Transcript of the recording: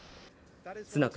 スナク